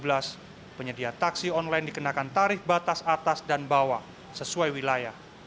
dengan nomor dua puluh enam tahun dua ribu tujuh belas penyedia taksi online dikenakan tarif batas atas dan bawah sesuai wilayah